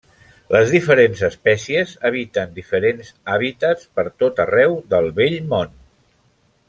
Les diferents espècies habiten diferents hàbitats per tot arreu del Vell Món.